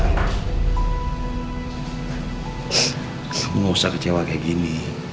kamu gak usah kecewa kayak gini